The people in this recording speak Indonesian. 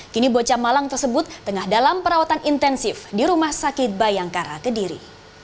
kini bocah malang tersebut tengah dalam perawatan intensif di rumah sakit bayangkara kediri